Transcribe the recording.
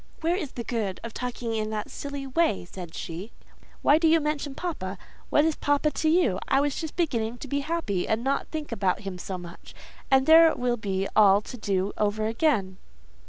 "Where is the good of talking in that silly way?" said she. "Why do you mention papa? What is papa to you? I was just beginning to be happy, and not think about him so much; and there it will be all to do over again!"